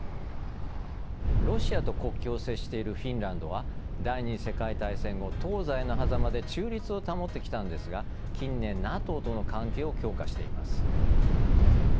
ロシアと国境を接しているフィンランドは第２次世界大戦後東西のはざまで中立を保ってきたんですが近年ＮＡＴＯとの関係を強化しています。